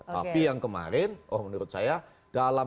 tapi yang kemarin oh menurut saya